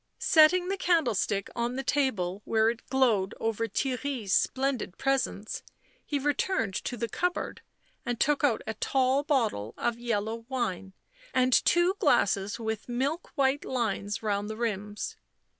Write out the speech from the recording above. Setting the candlestick on the table, where it glowed over Theirry's splendid presence, he returned to the cupboard and took out a tall bottle of yellow wine and two glasses with milk white lines round the rims.